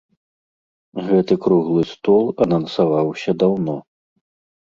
Гэты круглы стол анансаваўся даўно.